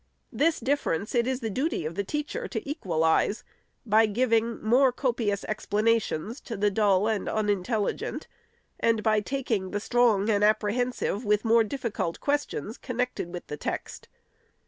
This differ ence it is the duty of the teacher to equalize, by giving more copious explanations to the dull and unintelligent, and by tasking the strong and apprehensive with more difficult questions connected with the text.